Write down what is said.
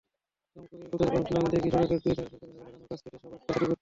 রংপুরের বদরগঞ্জ-লালদীঘি সড়কের দুই ধারে সরকারিভাবে লাগানো গাছ কেটে সাবাড় করছে দুর্বৃত্তরা।